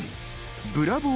ブラボー！